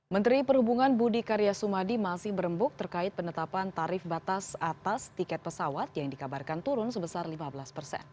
menteri perhubungan budi karya sumadi masih berembuk terkait penetapan tarif batas atas tiket pesawat yang dikabarkan turun sebesar lima belas persen